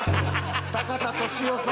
坂田利夫さん。